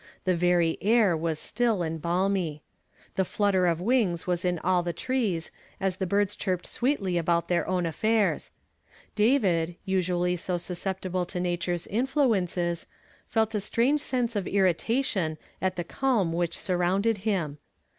The very air was still and balmy. The flutter of wings was in all the trees as the birds chirped sweetly about their own affaii s. David, usually so susceptible to Nature's influences, felt a strange sense of irritation at the calm which surrounded him.